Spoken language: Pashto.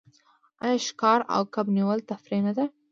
آیا ښکار او کب نیول تفریح نه ده؟